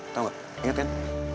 tau gak ingat kan